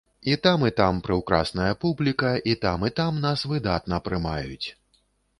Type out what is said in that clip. І там, і там прыўкрасная публіка, і там, і там нас выдатна прымаюць.